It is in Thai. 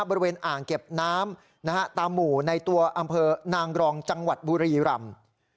บริเวณอ่างเก็บน้ำตามหมู่ในตัวอำเภอนางรองจังหวัดบุรีรำ